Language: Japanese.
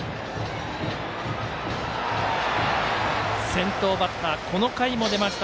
先頭バッター、この回も出ました。